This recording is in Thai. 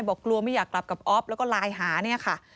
บอกกลัวไม่อยากกลับกับอ๊อฟแล้วก็ไลน์หาเนี่ยค่ะ